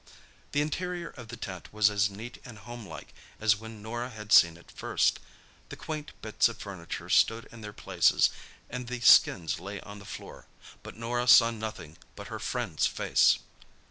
The interior of the tent was as neat and homelike as when Norah had seen it first. The quaint bits of furniture stood in their places, and the skins lay on the floor. But Norah saw nothing but her friend's face.